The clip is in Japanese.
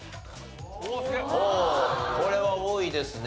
おおこれは多いですね。